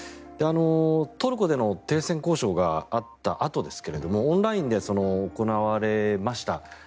トルコでの停戦交渉があったあとですがオンラインで行われました。